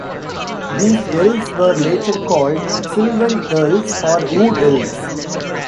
These Elves were later called Silvan Elves or Wood-elves.